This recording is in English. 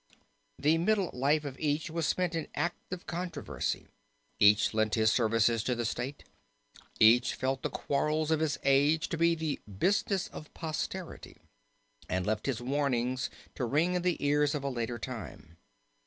The middle life of each was spent in active controversy; each lent his services to the state; each felt the quarrels of his age to be the 'business of posterity,' and left his warnings to ring in the ears of a later time.